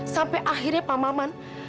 sampai akhirnya pak maman